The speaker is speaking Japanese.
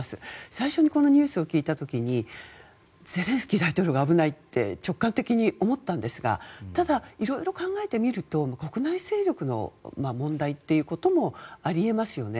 最初にこのニュースを聞いた時にゼレンスキー大統領が危ないって直感的に思ったんですがただ、いろいろ考えてみると国内勢力の問題ということもあり得ますよね。